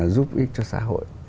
giúp ích cho xã hội